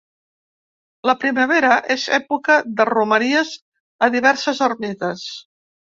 La primavera és època de romeries a diverses ermites.